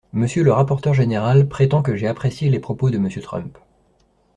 Monsieur le rapporteur général prétend que j’ai apprécié les propos de Monsieur Trump.